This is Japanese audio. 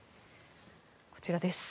こちらです。